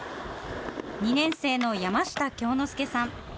２年生の山下京之助さん。